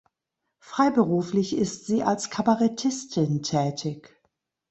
Freiberuflich ist sie als Kabarettistin tätig.